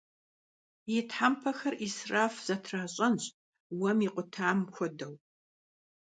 Yi thempexer 'israf zetra ş'enş, vuem yikhutam xuedeu.